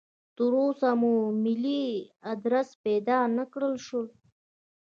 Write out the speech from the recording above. تراوسه مو ملي ادرس پیدا نکړای شو.